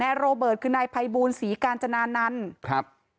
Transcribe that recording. โรเบิร์ตคือนายภัยบูลศรีกาญจนานันต์ครับ